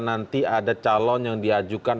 nanti ada calon yang diajukan